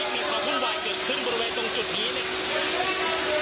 หัวผู้หวายเกิดขึ้นบริเวณตรงจุดนี้